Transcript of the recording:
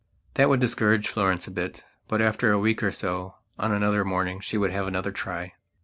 That would discourage Florence a bit; but after a week or so, on another morning she would have another try.